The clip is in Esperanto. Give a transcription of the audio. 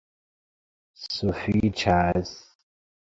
Sufiĉas!